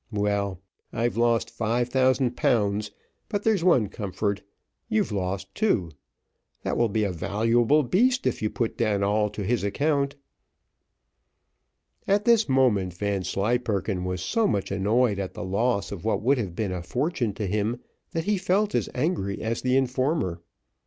Well, I've lost five thousand pounds; but there's one comfort, you've lost too. That will be a valuable beast, if you put all down to his account." At this moment Vanslyperken was so much annoyed at the loss of what would have been a fortune to him, that he felt as angry as the informer.